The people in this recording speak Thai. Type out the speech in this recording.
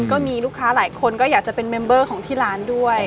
ก็มีลูกค้าหลายคนก็อยากจะเป็นเมมเบอร์ของที่ร้านด้วย